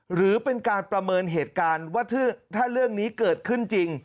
หรือเป็นการประเมินเหตุการณ์ว่าถ้าเรื่องนี้เกิดขึ้นจริง